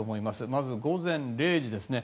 まず、午前０時ですね。